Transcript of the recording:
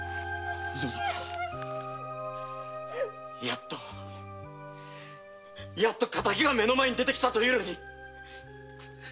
やっとやっと敵が目の前に出て来たというのに。